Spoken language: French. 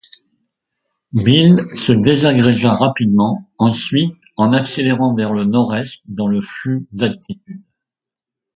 Bill se désagrégea rapidement ensuite en accélérant vers le nord-est dans le flux d'altitude.